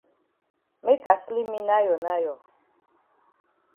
Make I sleep me nayo nayo.